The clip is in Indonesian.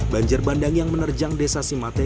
banjir bandang yang menerjang desa simateh